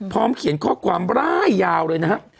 พร้อมเขียนข้อความไล่ยาวเลยนะฮะ